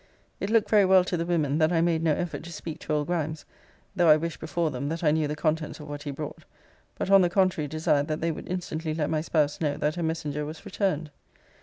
It looked very well to the women that I made no effort to speak to old Grimes, (though I wished, before them, that I knew the contents of what he brought;) but, on the contrary, desired that they would instantly let my spouse know that her messenger was returned.